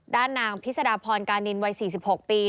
ด้านนางพิษดาพรกานินวัย๔๖ปี